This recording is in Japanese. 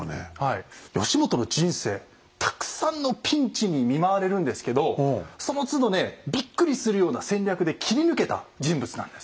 義元の人生たくさんのピンチに見舞われるんですけどそのつどねびっくりするような戦略で切り抜けた人物なんです。